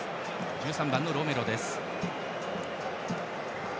１３番、ロメロです。